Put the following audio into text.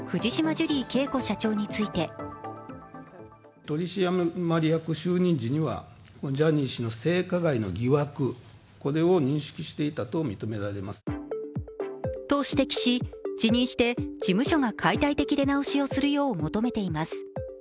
ジュリー景子社長についてと指摘し、辞任して事務所が解体的出直しをするよう求めています。